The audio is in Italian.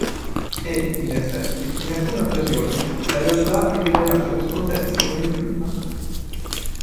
E, in effetti, in alcune occasioni la realtà rivelerà corrispondenze con il film.